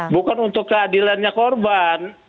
bukan untuk keadilannya korban